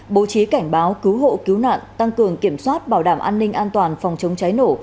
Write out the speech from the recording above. bố trí cảnh báo cứu hộ cứu nạn tăng cường kiểm soát bảo đảm an ninh an toàn phòng chống cháy nổ